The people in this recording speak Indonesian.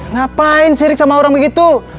ngapain sirik sama orang begitu